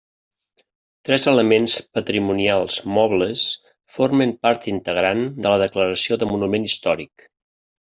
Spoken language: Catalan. Tres elements patrimonials mobles formen part integrant de la declaració de monument històric.